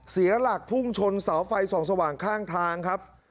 เสียหลักพุ่งชนเสาไฟส่องสว่างข้างทางครับ